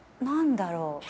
何だろう。